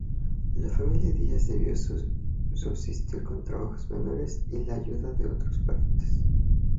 La familia Díaz debió subsistir con trabajos menores y la ayuda de otros parientes.